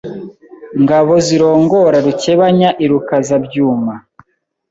Ngabo zirongora Rukebanya i Rukazabyuma